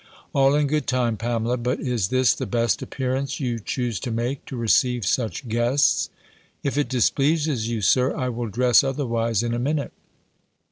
"All in good time, Pamela! But is this the best appearance you choose to make, to receive such guests?" "If it displeases you. Sir, I will dress otherwise in a minute."